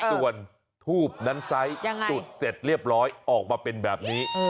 ส่วนทูบนั้นไซส์จุดเสร็จเรียบร้อยออกมาเป็นแบบนี้